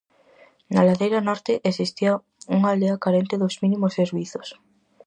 Na ladeira norte existía unha aldea carente dos mínimos servizos.